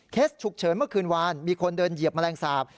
ฉุกเฉินเมื่อคืนวานมีคนเดินเหยียบแมลงสาป